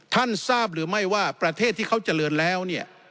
ทราบหรือไม่ว่าประเทศที่เขาเจริญแล้วเนี่ย